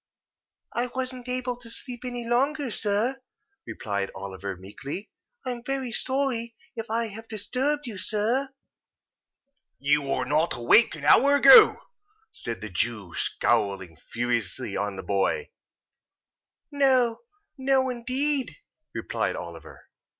"I wasn't able to sleep any longer, sir," replied Oliver, meekly. "I am very sorry if I have disturbed you, sir." "You were not awake an hour ago?" said the Jew, scowling fiercely on the boy. "No! No, indeed!" replied Oliver.